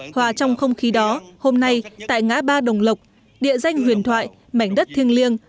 hòa trong không khí đó hôm nay tại ngã ba đồng lộc địa danh huyền thoại mảnh đất thiêng liêng